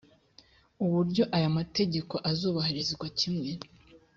uburyo aya mategeko azubahirizwa kimwe